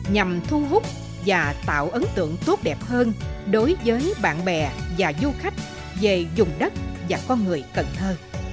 nhằm thu hút và tạo ấn tượng tốt đẹp hơn đối với bạn bè và du khách về dùng đất và con người cần thơ